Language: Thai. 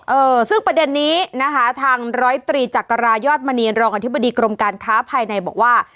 เออซึ่งประเด็นนี้นะคะทางร้อยตรีจักรายอดมณีรองอธิบดีกรมการค้าภายในบอกว่า